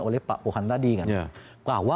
oleh pak pohan tadi kan bahwa